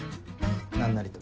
何なりと。